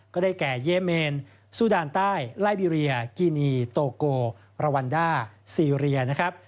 ก็ได้แก่เยเมนซูดานใต้ไล่บีเรียกินีโตโกราวันด้าซีเรียนะครับ